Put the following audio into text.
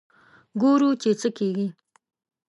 ګورو چې څه کېږي.